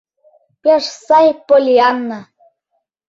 — Пеш сай, Поллианна.